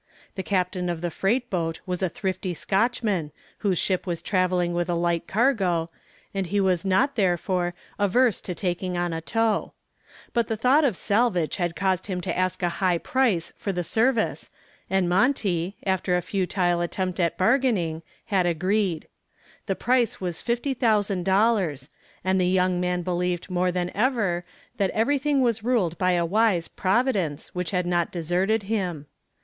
The captain of the freight boat was a thrifty Scotchman whose ship was traveling with a light cargo, and he was not, therefore, averse to taking on a tow. But the thought of salvage had caused him to ask a high price for the service and Monty, after a futile attempt at bargaining, had agreed. The price was fifty thousand dollars, and the young man believed more than ever that everything was ruled by a wise Providence, which had not deserted him.